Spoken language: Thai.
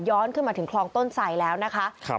ขึ้นมาถึงคลองต้นไสแล้วนะคะ